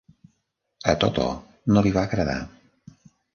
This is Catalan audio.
A Toto no li va agradar.